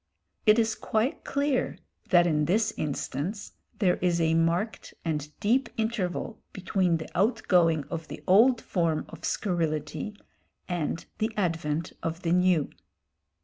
It is quite clear that in this instance there is a marked and deep interval between the outgoing of the old form of scurrility and the advent of the new.